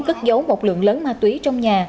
cất giấu một lượng lớn ma túy trong nhà